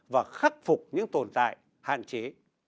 và khắc phục những tồn tại hạn chế